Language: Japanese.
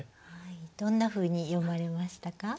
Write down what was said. どんなふうに読まれましたか？